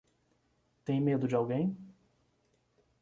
Tem medo de alguém?